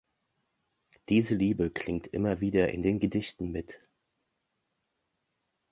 Diese Liebe klingt immer wieder in den Gedichten mit.